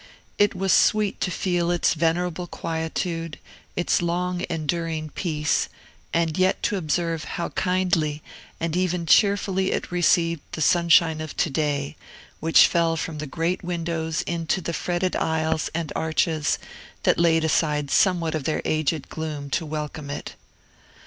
It was sweet to feel its venerable quietude, its long enduring peace, and yet to observe how kindly and even cheerfully it received the sunshine of to day, which fell from the great windows into the fretted aisles and arches that laid aside somewhat of their aged gloom to welcome it.